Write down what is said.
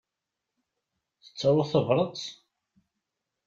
Tettaruḍ tabrat?